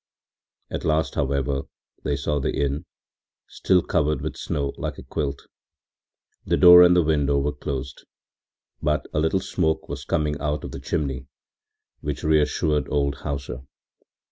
At last, however, they saw the inn, still covered with snow, like a quilt. The door and the window were closed, but a little smoke was coming out of the chimney, which reassured old Hauser.